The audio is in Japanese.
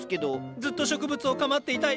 ずっと植物を構っていたい。